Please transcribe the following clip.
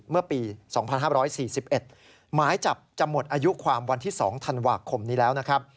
เมื่อปี๒๕๔๑หมายจับจะหมดอายุความวันที่๒ธันวาคมนี้แล้วนะครับ